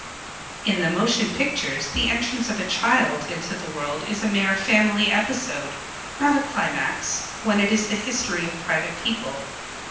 In the motion pictures the entrance of a child into the world is a mere family episode, not a climax, when it is the history of private people.